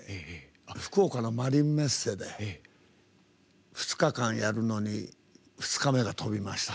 福岡のマリンメッセで２日間やるのに２日目が飛びました。